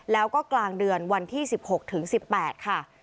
แล้วก็กลางเดือนวันที่๑๖ถึง๑๘ค่ะ